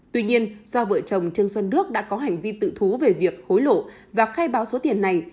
tuy nhiên do vợ chồng trương xuân đức đã có hành vi tự thú về việc hối lộ và khai báo số tiền này